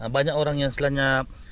banyak orang yang setelahnya